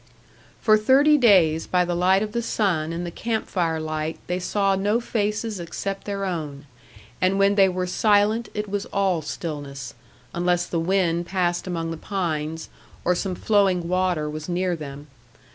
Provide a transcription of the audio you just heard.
For thirty days by the light of the sun and the camp fire light they saw no faces except their own; and when they were silent it was all stillness, unless the wind passed among the pines, or some flowing water was near them.